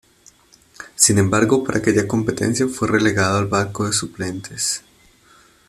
Sin embargo, para aquella competencia fue relegado al banco de suplentes.